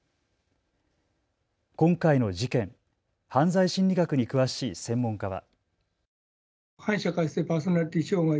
今回の事件、犯罪心理学に詳しい専門家は。